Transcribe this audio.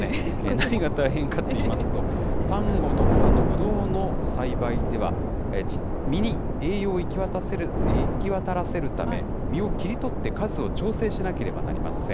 何が大変かっていいますと、丹後特産のぶどうの栽培では、実に栄養を行き渡らせるため、実を切り取って数を調整しなければなりません。